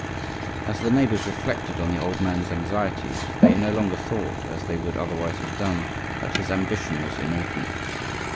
As the neighbors reflected on the old man's anxieties they no longer thought, as they would otherwise have done, that his ambition was inordinate.